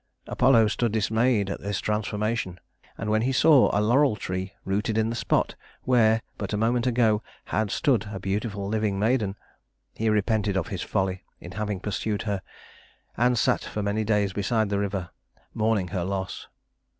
Apollo stood dismayed at this transformation, and when he saw a laurel tree rooted in the spot where, but a moment ago, had stood a beautiful living maiden, he repented of his folly in having pursued her and sat for many days beside the river, mourning her loss.